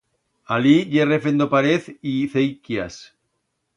Alí ye refendo parez y ceiquias.